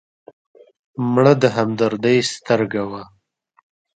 مړه د همدردۍ سترګه وه